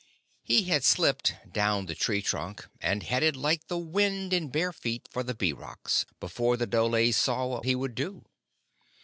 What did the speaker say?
He had slipped down the tree trunk, and headed like the wind in bare feet for the Bee Rocks, before the dholes saw what he would do.